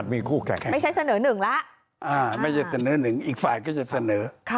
มีคู่แข่งไม่ใช่เสนอหนึ่งแล้วไม่ใช่เสนอหนึ่งอีกฝ่ายก็จะเสนอ